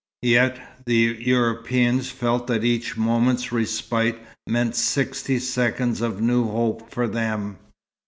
Yet the Europeans felt that each moment's respite meant sixty seconds of new hope for them.